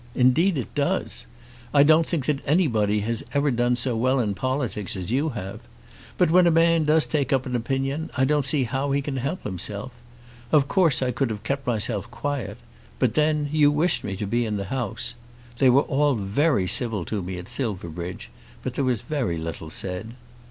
Indeed it does. I don't think that anybody has ever done so well in politics as you have. But when a man does take up an opinion I don't see how he can help himself. Of course I could have kept myself quiet; but then you wished me to be in the House. They were all very civil to me at Silverbridge, but there was very little said.